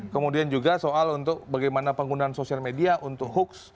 kemudian juga soal untuk bagaimana penggunaan sosial media untuk hoax